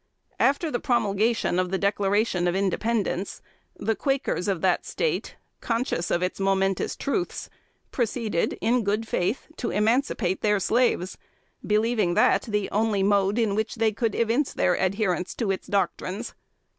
After the promulgation of the Declaration of Independence, the Quakers of that State, conscious of its momentous truths, proceeded in good faith to emancipate their slaves; believing that the only mode in which they could evince their adherence to its doctrines.